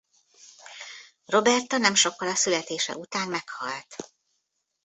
Roberta nem sokkal a születése után meghalt.